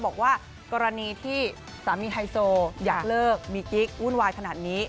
บอกว่ากรณีที่สามีไฮโซอยากเลิกมีกิ๊กวุ่นวายขนาดนี้